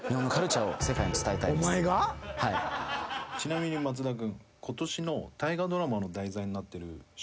ちなみに松田君。